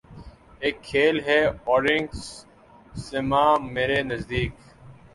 اک کھیل ہے اورنگ سلیماں مرے نزدیک